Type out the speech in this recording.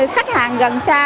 khách hàng gần xa